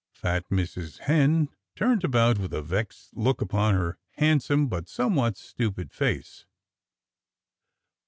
Fat Mrs. Hen turned about with a vexed look upon her handsome but somewhat stupid face.